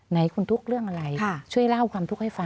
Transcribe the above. ไหนคุณทุกข์เรื่องอะไรช่วยเล่าความทุกข์ให้ฟัง